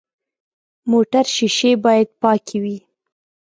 موټر شیشې باید پاکې وي.